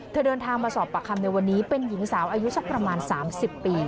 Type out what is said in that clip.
เดินทางมาสอบปากคำในวันนี้เป็นหญิงสาวอายุสักประมาณ๓๐ปี